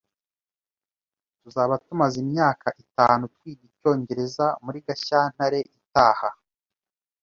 Tuzaba tumaze imyaka itanu twiga icyongereza muri Gashyantare itaha.